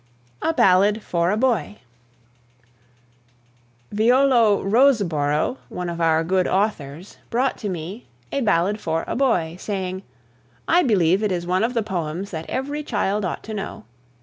A BALLAD FOR A BOY. Violo Roseboro, one of our good authors, brought to me "A Ballad for a Boy," saying: "I believe it is one of the poems that every child ought to know."